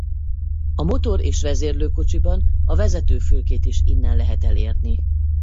A motor és vezérlőkocsiban a vezetőfülkét is innen lehet elérni.